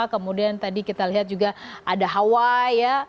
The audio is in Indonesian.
kemudian tadi kita lihat juga ada hawai ya